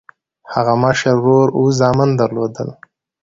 هغه مشر ورور اووه زامن درلودل.